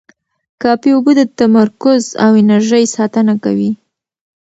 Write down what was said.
کافي اوبه د تمرکز او انرژۍ ساتنه کوي.